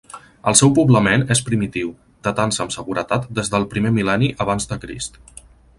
El seu poblament és primitiu, datant-se amb seguretat des del primer mil·lenni abans de Crist.